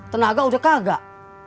tenaga udah kagak